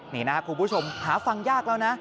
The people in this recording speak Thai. นี่นะครับคุณผู้ชมหาฟังยากแล้วนะ